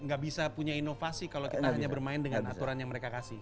gak bisa punya inovasi kalau kita hanya bermain dengan aturan yang mereka kasih